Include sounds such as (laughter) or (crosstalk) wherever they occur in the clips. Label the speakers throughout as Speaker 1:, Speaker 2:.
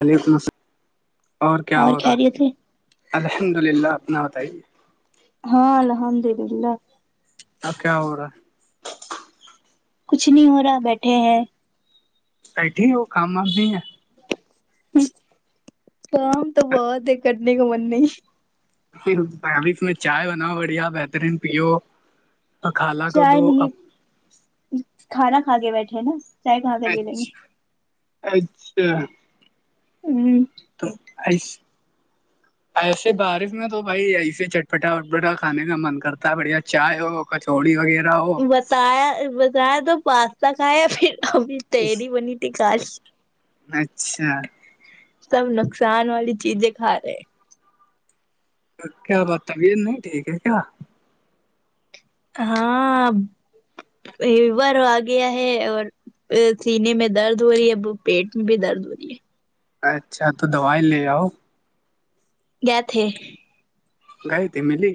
Speaker 1: وعلیکم السلام اور کیا ہو رہا ہے الحمد للہ اپنا بتائیے
Speaker 2: ہاں الحمد للہ
Speaker 1: اب کیا ہو رہا ہے
Speaker 2: کچھ نہیں ہو رہا بیٹھے ہیں
Speaker 1: سٹ ہی وہ کام وام بھی ہے
Speaker 2: کام تو بہت ہے کرنے کا مننے
Speaker 1: پھر بس میں چائے بناؤ بڑھیا بہترین پیو خالہ کو
Speaker 2: چائے
Speaker 1: دو
Speaker 2: نہیں
Speaker 1: اچھا
Speaker 2: کھانا کھا کے بیٹھے نا چائے کہاں کے پیلیں گے
Speaker 1: اچھا
Speaker 2: ہوں
Speaker 1: تو آس ایسے بارش میں تو بھائی ایسے چٹپٹا وٹپٹا کھانے کا من کرتا ہے بڑھیا چائے ہو کچوی وغیرہ
Speaker 2: بتایا بتایا تو پاستا کھایا پھر ابھی تیری بنی تھی کالی
Speaker 1: اچھا
Speaker 2: سب نقصان والی چیزیں کھا رہے ہیں
Speaker 1: کیا بات ہے ب نہیں ٹھیک ہے کیا
Speaker 2: ہاں بار آگے ہے اور سینے میں درد ہو رہی ہے اب پیٹ میں بھی درد ہو رہی ہے
Speaker 1: اچھا تو دوائی لے آؤ
Speaker 2: گئے تھے
Speaker 1: گائے میلی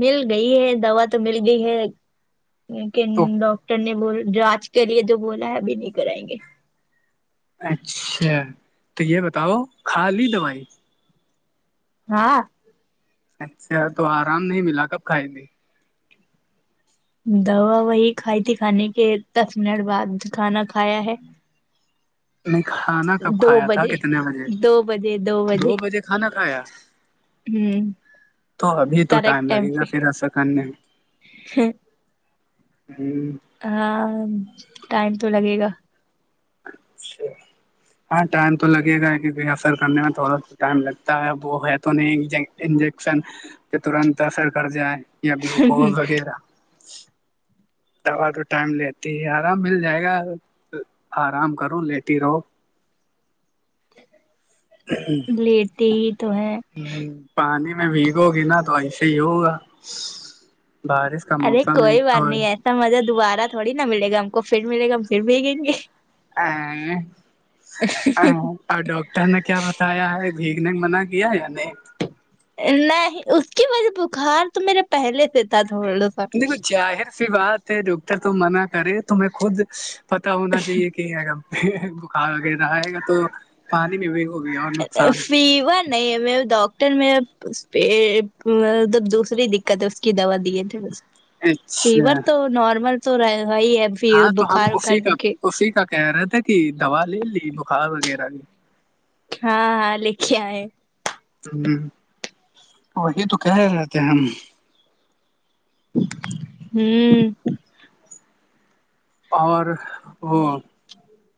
Speaker 2: مل گئی ہے دوا تو مل گئی ہے لیکن
Speaker 1: تو
Speaker 2: ڈاکٹر نے بول آج کے لیے جو بولا ہے ابھی نہیں کرائیں گے
Speaker 1: اچھا تو یہ بتاؤو کھا لی دوائی
Speaker 2: ہاں
Speaker 1: اچھا تو آرام نہیں ملا کب کھائے گی
Speaker 2: دوا وہی کھائی تھی کھانے کے دس منٹ بعد کھانا کھایا ہے
Speaker 1: میں کھانا کب
Speaker 2: دو
Speaker 1: کھایا تھا
Speaker 2: بجے
Speaker 1: کتنے بجے دو بجے کھانا کھایا
Speaker 2: ہوں
Speaker 1: تو ابھی تو ٹائم
Speaker 2: کریکٹ
Speaker 1: لگے گا پھر ایسا کرنے میں
Speaker 2: ہاں
Speaker 1: ہوں،
Speaker 2: ہاں ٹائم تو لگے گا
Speaker 1: اچھا ہاں ٹائم تو لگے گا کیونکہ افر کرنے میں تھوڑا س ٹائم لگتا ہے وہ ہے تو نہیں انجیکشن کے ترنت اثر کر جائیں یا گلوکوز وغیرہ دوا تو ٹائم لیتی ہے آرام مل جائے گا آرام کرو لیتی ہی رہو
Speaker 2: لیتے ہی تو ہے
Speaker 1: پانی میں بھییک ہوگی نا تو ایسے ہی ہوگا بارش کا موسم ایک تو
Speaker 2: سمجھہ دوبارہ تھوڑیا ملے گا ہم کو پھر مل گا ہم پھر بھیگیں گے
Speaker 1: اور ڈاکٹر نے کیا بتایا ہے بھیگ نے منع کیا یا نہیں
Speaker 2: نہیں اس کی وجہ بخار تو میرے پہلے سے تھا تھوڑا سا
Speaker 1: دیکھو ظاہر سی بات ہے ڈاکٹر منع کرے تمہیں خود پتہ ہونا چاہیے کہ گا بخار وغیرہ آئے گا تو پانی میں بھی ہو گیا اور نقصان
Speaker 2: فیور نہیں میں ڈاکٹر میںب دوسری دقت ہے اس کی دوا دیے تھے اب فیور
Speaker 1: اچھا
Speaker 2: تو نارمل تو رہ ہی ہے
Speaker 1: ہاں تو ہم
Speaker 2: بخار وخار
Speaker 1: اسی کا
Speaker 2: کیونکہ
Speaker 1: اسی کا کہہ رہا تھ تھا کہ دوا لے لی بخار وغیرہ بھی
Speaker 2: ہاں ہاں لکھے ہے
Speaker 1: ہاں وہی تو کہہ رہتے ہم
Speaker 2: ہوں
Speaker 1: اور وہ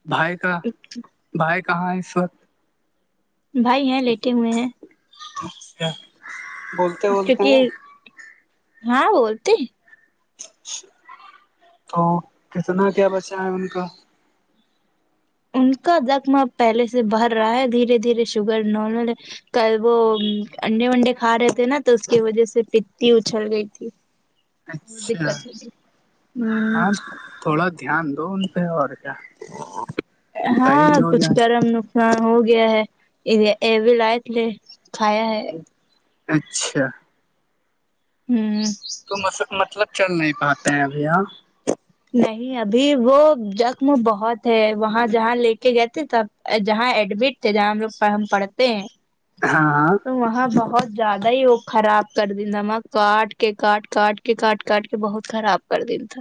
Speaker 1: بھائی کا بھائی کہاں ہے اس وقت
Speaker 2: بھائی ہیں لیٹے ہوئے ہیں
Speaker 1: چ بولتے بولتے ہیں
Speaker 2: کیونکہ ہاں بولتی
Speaker 1: تو کتنا کیا بچا ہے ان کا
Speaker 2: ان کا زخم اب پہلے سے بھر رہا ہے دھیرے دھیرے شوگر نارمل کل وہ انڈے ونڈے کھا رہے تھے نا تو اس کی وجہ سے پتی اچھل گئی تھی اور
Speaker 1: اچھا
Speaker 2: دقت ہو
Speaker 1: ہاں تھوڑا دھیان دو ان پہ اور کیا
Speaker 2: ہاں
Speaker 1: صحیح ہو
Speaker 2: کچھ
Speaker 1: جائے
Speaker 2: کرم ن ہاں ہو گیا ہے یہ بھی لائے تھ لے کھایا ہے
Speaker 1: اچھا
Speaker 2: ہوں
Speaker 1: تو م مطلب چل نہیں پاتے ہیں ابھی یہاں
Speaker 2: نہیں ابھی وہ زخم بہت ہے وہاں جہاں لے کے گئے تھ تب جہاں ایڈمٹ تھے جہاں ہم لوگ ہم پڑھتے ہیں
Speaker 1: ہاں
Speaker 2: وہاں بہت زیادہ ہی وہ خراب کر دا م کاٹ کے کاٹ کاٹ کے کہ کاٹ کاٹ کے بہت خراب کر دین تھا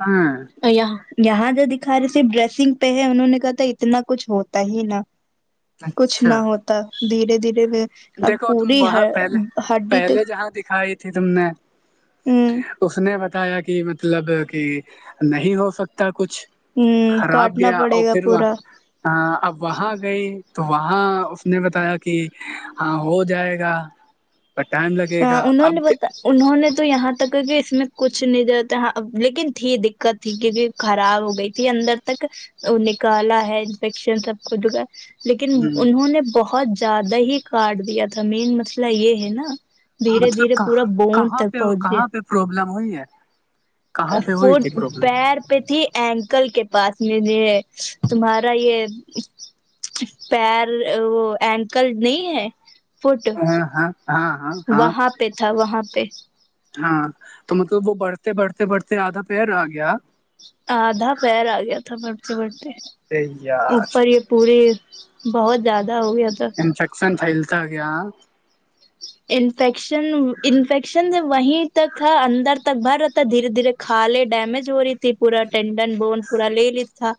Speaker 1: ہاں
Speaker 2: یہاں یہاں جو دکھا رہے صرف ڈریسنگ پہ ہے انہوں نے کہا تھا اتنا کچھ ہوتا ہی نا کچھ
Speaker 1: اچھا
Speaker 2: نہ ہوتا دھیرے دھیرے میں
Speaker 1: دیکھو تم وہاں پہلے پہلے
Speaker 2: تک
Speaker 1: جہاں دکھائی تھی تم نے
Speaker 2: ہوں
Speaker 1: اس نے بتایا کہ مطلب کہ نہیں ہو سکتا کچھ
Speaker 2: ہوں
Speaker 1: خراب
Speaker 2: کاٹنا
Speaker 1: گیا
Speaker 2: پڑے
Speaker 1: اور
Speaker 2: گا
Speaker 1: پھر وہ ہ
Speaker 2: پورا
Speaker 1: اب وہاں گئی تو وہاں اس نے بتایا کہ ہاں ہو جائے گا پر ٹائم
Speaker 2: ہ
Speaker 1: لگے گا
Speaker 2: اننوں
Speaker 1: اب
Speaker 2: نے بتاا انہوں نے تو یہاں تک کہ اس میں کچھ نہیں ج تھااں لیکن تھی دقت ت کیونکہ خراب ہو گئی تھی اندر تک وہ نکالا ہے انفیکشن سب کو لیکن انہوں نے بہت زیادہ ہی کاٹ دیا تھا مین مسئلہ یہ ہے نا دھیرے
Speaker 1: مطلب
Speaker 2: دھیرے
Speaker 1: کہ
Speaker 2: پورا بون
Speaker 1: کہاں
Speaker 2: تک
Speaker 1: پہ
Speaker 2: پہنچ
Speaker 1: کہاں پہ
Speaker 2: گیا
Speaker 1: پرابلم ہوئی ہے کہاں پہ ہوئی
Speaker 2: فٹ
Speaker 1: تھی پرابلم
Speaker 2: پیر پیتھی اینکل کے پاس میں جو ہے تمہارا یہ پیر وہ اینکل نہیں ہے فٹ
Speaker 1: ہاں ہاں ہاں ہاں ہاں
Speaker 2: وہاں پہ تھا وہاں پہ
Speaker 1: ہاں تو مطلب وہ بڑھتے بڑھتے بڑھتے آدھا پیر آ گیا
Speaker 2: آدھا پیر آ گیا تھا بڑھتے بڑھتے
Speaker 1: یار
Speaker 2: اوپر ہی پوری بہت زیادہ ہو گیا تھا
Speaker 1: انفیکشن پھیلتا گیا
Speaker 2: جی انفیکشن انفیکشن وہیں تک ہے اندر تک بھر رہتا دھیرے دھیرے کالے ڈمیج ہو رہی تھی پورا ٹنڈن بون پورا لے لی تھا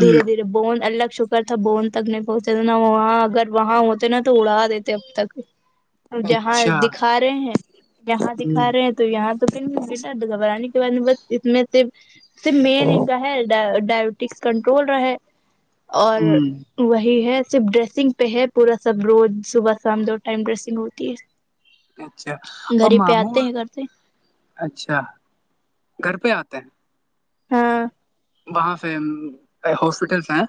Speaker 2: دھیرے دھیرے بون الگ شکر تھا بون تک نہیں پہنچتے تھ نا وہاں اگر وہاں ہوتے نا تو اڑا دیتے اب تک ا جہاں
Speaker 1: اچھا
Speaker 2: دکھا رہے ہیں جہاں
Speaker 1: ہ
Speaker 2: دکھا رہے ہیں تو یہاں تو پ بیٹا گھبراننے کے بعد بس اتنے سے مین ایکا ہے ڈ ڈائبٹک کنٹرول رہے اور
Speaker 1: ہ
Speaker 2: وہی ہے صرف ڈریسنگ پہ ہے پورا سب روز صبح شام دو ٹائم ڈریسنگ ہوتی ہے
Speaker 1: اچھا اور
Speaker 2: گھر ہی پہ
Speaker 1: ماموں
Speaker 2: آتے ہیں گھر سے
Speaker 1: اچھا گھر پہ آتے ہیں
Speaker 2: ہاں
Speaker 1: وہاں سے ہاسپٹلس ہیں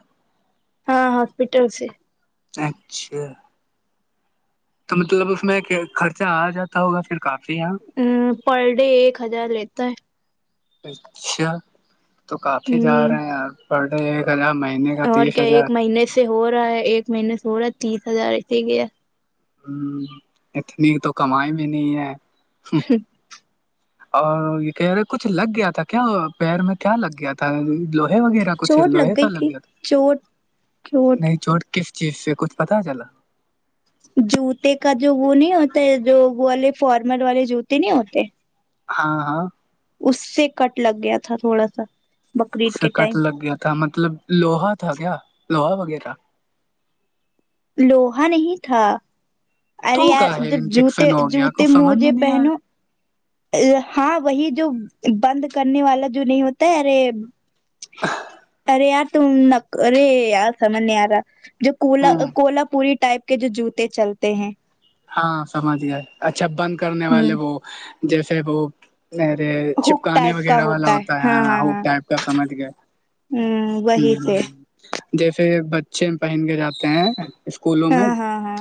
Speaker 2: ہاں ہاسپٹل سے
Speaker 1: اچھا تو مطلب اس میں کہ خرچہ آ جاتا ہوگا پھر کافی یہاں
Speaker 2: پر ڈے ایک ہزار لیتا ہے
Speaker 1: اچھا تو کافی جا
Speaker 2: ہ
Speaker 1: رہے ہیں آپ پڑ ڈ ایک ہزار مہینے کا
Speaker 2: اور
Speaker 1: تیس
Speaker 2: کیا
Speaker 1: ہزار
Speaker 2: ایک مہینے سے ہو رہا ہے ایک مہینے سے ہو رہا ہے تیس ہزارٹ گیا
Speaker 1: اتنی تو کمائی بھی نہیں ہے
Speaker 2: (inaudible)
Speaker 1: اور یہ کہہ رہے کچھ لگ گیا تھا کیا پیر میں کیا لگ گیا تھا لوہے وغیرہ کچھ
Speaker 2: چوٹ
Speaker 1: لوہے کا
Speaker 2: گئی
Speaker 1: لگ
Speaker 2: تھی
Speaker 1: گیا
Speaker 2: چوٹ
Speaker 1: تھا نہیں چوٹ کس چیز سے کچھ پتا چلا
Speaker 2: جوتے کا جو وہ نہیں ہوتا ہے جو وہ والے فارمر والے جوتے نہیں ہوتے
Speaker 1: ہاں ہاں
Speaker 2: اس سے کٹ لگ گیا تھا تھوڑا سا
Speaker 1: اس
Speaker 2: بقرعید
Speaker 1: سے
Speaker 2: کے
Speaker 1: کٹ
Speaker 2: ٹائم
Speaker 1: لگ گیا تھا مطلب لوہا تھا کیا لوہا وغیرہ
Speaker 2: لوہا نہیں تھا ارے
Speaker 1: تو
Speaker 2: یار
Speaker 1: کا ہے
Speaker 2: جب جوتے
Speaker 1: انفیکشن ہو گیا
Speaker 2: جوتے
Speaker 1: کچھ سمجھ
Speaker 2: موجے
Speaker 1: میں نہیں آ
Speaker 2: پہنو ہاں وہی جو بند کرنے والا جو نہیں ہوتا ہے ارے ارے ار تم نک ارے ار تھامانے یارا جو کولا
Speaker 1: رہا ہوں
Speaker 2: کولہ پوری ٹائپ کے جوتے چلتے ہیں
Speaker 1: ہاں سمجھ گیا اچھا بند کرنے
Speaker 2: ہ
Speaker 1: والے وہ جیسے وہ میرے
Speaker 2: ہک
Speaker 1: چھپکانے
Speaker 2: ٹائپ کا
Speaker 1: وغیرہ والا ہوتا ہے ہو ٹائپ کا سمجھ گئے
Speaker 2: ہوں
Speaker 1: جیسے بچے پہن کے جاتے ہیں اسکولوں میں
Speaker 2: ہاں ہاں ہاں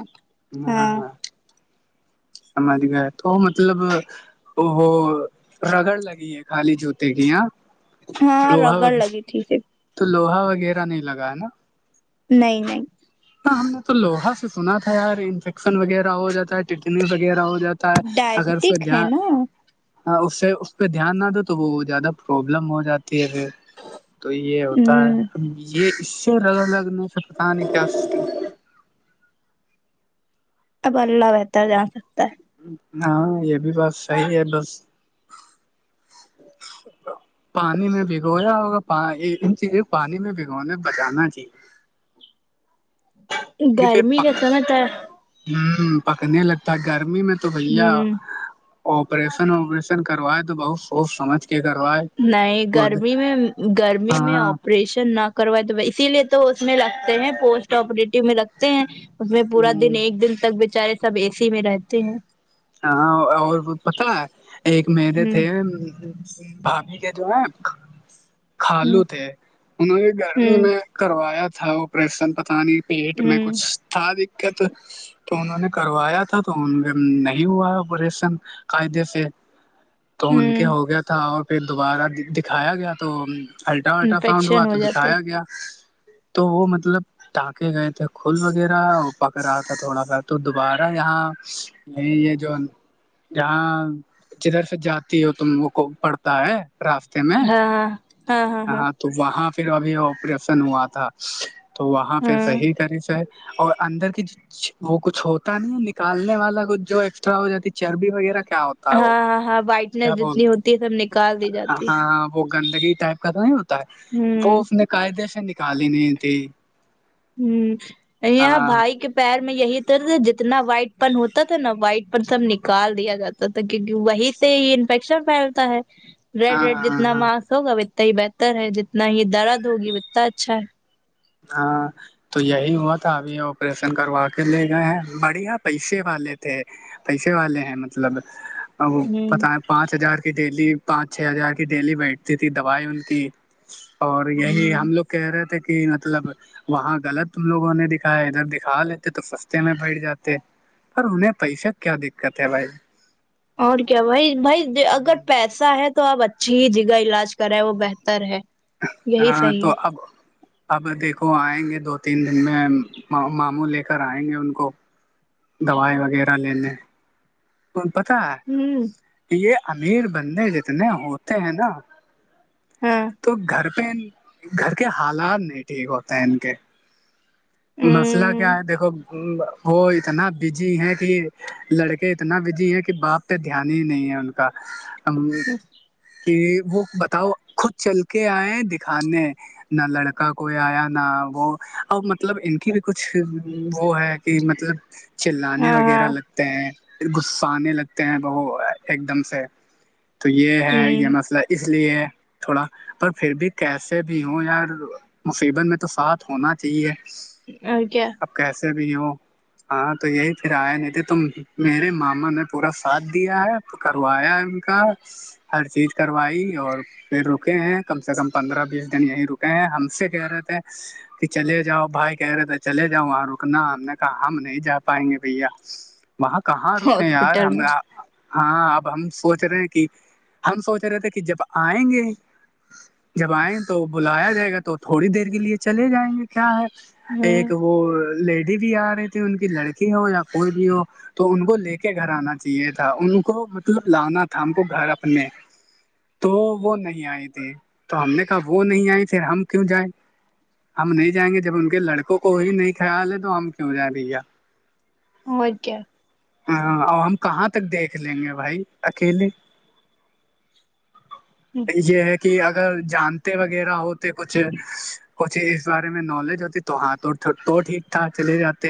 Speaker 1: ہاں ہاں سمج گا تو وہ مطلب وہ رگڑ لگی ہے خالی جوتے کی یہاں
Speaker 2: ہاں
Speaker 1: لوہا
Speaker 2: رگڑ
Speaker 1: وغیرہ
Speaker 2: لگی تھی
Speaker 1: تو لوہا وغیرہ نہیں لگا ہے نا
Speaker 2: نہیں نہیں
Speaker 1: ہاں ہم نے تو لوہا سے سنا تھا یار انفیکشن وغیرہ ہو جاتا ہے ٹنیز وغیرہ ہو جاتا ہے اگر
Speaker 2: ڈائبٹک ہے
Speaker 1: دان
Speaker 2: نا
Speaker 1: ہاں اس سے اس پہ دھیان نہ دو تو وہ زیادہ پروابلم ہو جاتی ہے پھر تو یہ ہوتا ہے
Speaker 2: ہ
Speaker 1: یہ اس سے الگ لگنے سے پتا نہیں کیا سسٹم
Speaker 2: اب اللہ بہتر جا سکتا ہے
Speaker 1: ہاں یہ بھی بات صحی ہے بس پانی میں بھگویا ہوگا ان چیز کو پانی میں بھگونے بچانا چاہیے
Speaker 2: ہے گرمی کا سمے
Speaker 1: ہوں پکنے لگتا گرمی میں تو بیا
Speaker 2: ہوں
Speaker 1: آپریشن وپریشن کروائے تو بہت سوچ سمجھ کے کروائے
Speaker 2: نہیں گرمی میں گرمی میں
Speaker 1: ہاں
Speaker 2: آپریشن نہ کروائے تو اسی لیے تو اس میں لگتے ہیں پوسٹ آپریٹو میں لگتے ہیں اس میں پورا دن ایک دن تک بیےچارے سب اے سی میں رہتے ہیں
Speaker 1: ہاں اور وہ پت ہے ایک میرے
Speaker 2: ہ
Speaker 1: تھے بھاابھی کے جو ہیں
Speaker 2: ہ
Speaker 1: کالو تھے انہوں نے گرمی میں کروایا تھا آپریشن پتہ نہیں پیٹ
Speaker 2: ہ
Speaker 1: میں
Speaker 2: ہ
Speaker 1: کچھ تھا دقت تو انہوں نے کروایا تھا تو ان ہوا آپریشن قاعدے سے تو ان کے
Speaker 2: ہ
Speaker 1: ہو گیا تھا اور پھر دوبارہ دکھایا گیا تو الٹرا الٹرا ساؤنڈ ہوا
Speaker 2: انفیکشن ہو
Speaker 1: تو
Speaker 2: جاتا
Speaker 1: دکھایا
Speaker 2: ہے
Speaker 1: گیا تو وہ مطلب ٹانکے گئے تھے کھول وغیرہ پک رہا تھا تھوڑا سا تو دوبارہ یہاں یہ جو جاں جدھر سے جاتی ہو تم وہ کو پڑتا ہے راستے میں
Speaker 2: ہاں ہاں ہاں ہاں
Speaker 1: تو وہاں پھر ابھی آپریشن ہوا تھا تو وہاں پھر
Speaker 2: ہاں
Speaker 1: صحیح طری سے اور اندر کی وہ کچھ ہوتا نہیں نکالنے والا کچھ جو ایکسٹرا ہو جاتی چربی وغیرہ کیا ہو
Speaker 2: ہاں ہاں ہاں وائٹنس جتنی ہوتی ہے سب نکال دی جاتی ہے
Speaker 1: ہاں وہ گندگی ٹائپ کا تو نہیں ہوتا ہے وہ اس نے قاعدے سے نکالی نہیں تھی
Speaker 2: ہوں یہ
Speaker 1: ہاں
Speaker 2: بھائی کے پیر میں یہی تر جتنا وائٹ پن ہوتا تھا نا وائٹ پن سب نکال دیا جاتا کیونکہ وہی سے ہی انفیکشن پھیلتا ہے ریڈ
Speaker 1: ہاں
Speaker 2: ریڈ
Speaker 1: ہاں
Speaker 2: جتنا
Speaker 1: ہاں
Speaker 2: ماس ہوگا اتنا ہی بہتر ہے جتنا ہی درد ہوگی اتنا اچھا ہے
Speaker 1: ہاں تو یہی ہوا تھا ابھی آپریشن کروا کے لے گئے ہیں بڑھیا پیسے والے تھے پیسے والے ہیں مطلب وہ
Speaker 2: ہوں
Speaker 1: پتا ہے پانچ ہزار ڈیلی پانچ چھ ہزار کی ڈیلی بیٹھتی تھی دوائی ان کی اور یہی
Speaker 2: ہوں
Speaker 1: ہم لوگ کہہ رہے تھے کہ مطلب وہاں غلط ت لوگوں نے دکھایا ادھر دکھا لیتے تو سستے میں بیٹھ جاتے پر انہیں پیسے کیا دقت ہے بھائی
Speaker 2: اور کیا بھائی بھائی اگر پیسہ ہے تو آپ اچھی جگہ علاج کرے وہ بہتر ہے یہی
Speaker 1: ہاں
Speaker 2: صحیح
Speaker 1: تو
Speaker 2: ہے
Speaker 1: اب اب دیکھو آئیں گے دو تین دن میں ماموں لے کر آئیں گے ان کو دوائی وغیرہ لینے پتا ہے
Speaker 2: ہوں
Speaker 1: یہ امیر بندے جتنے ہوتے ہیں نا
Speaker 2: ہاں
Speaker 1: تو گھر پہ گھر کے حالات نہیں ٹھیک ہوتے ہیں ان کے مسئلہ
Speaker 2: ہ
Speaker 1: کیا ہے دیکھو وہ اتنا بزی ہیں کہ لڑکے اتنا بزی ہیں کہ باپ دھیان ہی نہیں ہے ان کا کہ وہ بتاؤ خود چل کے آئے دکھانے نہ لڑکا کوئی آیا نہ وہ اب مب مطلب ان کی بھی کچھ وہ ہے کہ مطلب چان
Speaker 2: ہاں
Speaker 1: وغیرہ
Speaker 2: ہاں
Speaker 1: لگ ہیں غس آے لگتے ہیں ایک دم سے تو یہ
Speaker 2: ہ
Speaker 1: ہے یہ مسئلہ اس لیے ہے تھوڑا پر پھر بھی کیسے بھی ہوں یار مصیبت میں تو ساتھ ہونا چاہیے
Speaker 2: کیا کیا
Speaker 1: کیسے بھی ہو ہاں تو یہی پھر آئے نہیں تھے تو میرے ماما نے پورا ساتھ دیا ہے تو کروایا ان کا ہر چیز کروائی اور پھر رکے ہیں کم سے کم پندرہ بیس دن یہی رکے ہیں ہم سے کہہ رہے تھے کہ چلے جاؤ بھائی کہہ رہے تھے چلے جاؤ وہاں رکنا ہم نے کہا ہم نہیں جا پائیں گے بھیا وہاں کہاں رکے یار
Speaker 2: ہاسپٹل
Speaker 1: ہم
Speaker 2: میں
Speaker 1: ہاں اب ہم سوچ رہے ہیں کہ ہم سوچ رہے تھے کہ جب آئیں گے جب آئیں تو بلایا جائے گا تو تھوڑی دیر کے لیے چلے جائیں گے کیا ہے
Speaker 2: ہ
Speaker 1: ایک وہ لیڈی بھی آ رہی تھی ان کی لڑکی ہو یا کوئی بھی ہو تو ان کو لے کے گھر آنا چاہیے تھا ان کو مطلب لانا تھا ہم کو گھر اپنے تو وہ نہیں آئی تھی تو ہم نے کہا وہ نہیں آئی پھر ہم کیوں جائ ہم نہیں جائیں گے جب ان کے لڑکوں کو ہی نہیں خیال ہے تو ہم کیوں جا رہے
Speaker 2: ہو کیا
Speaker 1: ہاں اور ہم کہاں تک دیکھ لیں گے بھائی اکیلے
Speaker 2: (inaudible)
Speaker 1: (inaudible) کہ اگر جانتے وغیرہ ہوتے کچھ کچھ اس بارے میں نالج ہوتی تو ہاں تو تو ٹھیک ٹھاک چلے جاتے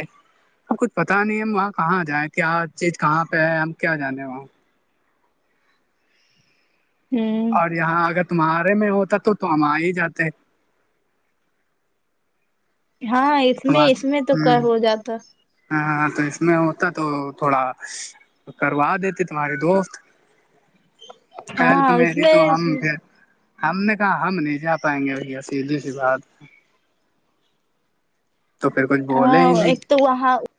Speaker 1: کچھ پتا نہیں ہم وہاں کہاں جائیں کیا چیز کہاں پہ ہے ہم کیا جانے وہاں
Speaker 2: ہوں
Speaker 1: اور یہاں اگر تمہارے میں ہوتا تو ہم آ ہی جاتے
Speaker 2: ہاں اس میں اس میں تو کیا ہو جاتا
Speaker 1: ہاں ہاں تو اس میں ہوتا تو تھوڑا کروا دیتے تمہاری دوست ہیلپ
Speaker 2: ہاں اس
Speaker 1: میری
Speaker 2: لیے
Speaker 1: تو ہم پھر ہم نے کہااں ہم نہیں جا پائیں گے سھدی سے بات تو پھر کچھ بولے
Speaker 2: ہاں
Speaker 1: ہی نہیں
Speaker 2: ایک تو وہاں